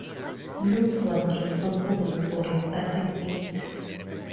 Lopes was responsible for restarting it.